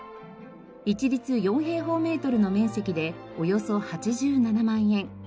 一律４平方メートルの面積でおよそ８７万円。